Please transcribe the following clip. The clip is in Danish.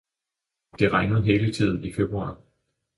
Det regner hele tiden i februar